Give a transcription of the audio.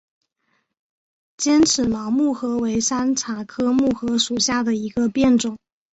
尖齿毛木荷为山茶科木荷属下的一个变种。